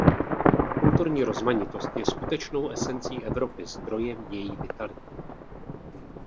Kulturní rozmanitost je skutečnou esencí Evropy, zdrojem její vitality.